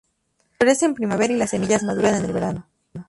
Florece en primavera y las semillas maduran en el verano.